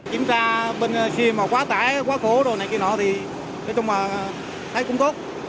kiểm tra xe quá tải quá khổ thì thấy cũng tốt